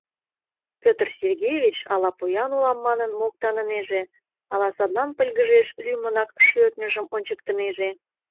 Петр Сергеевич ала поян улам манын моктанынеже, ала садлан пыльгыжеш — лӱмынак шӧртньыжым ончыктынеже?